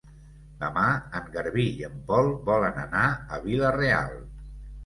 Demà en Garbí i en Pol volen anar a Vila-real.